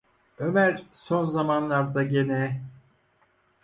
Ömer son zamanlarda gene...